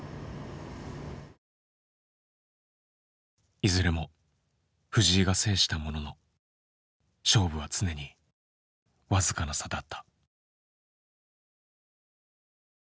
いずれも藤井が制したものの勝負は常に僅かな差だった。